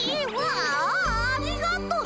ありがとう！